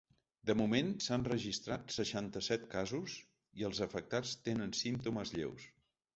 De moment, s’han registrat seixanta-set casos i els afectats tenen símptomes lleus.